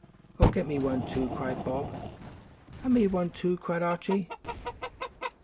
"Oh, get me one, too," cried Bob. "And me one, too," cried Archie.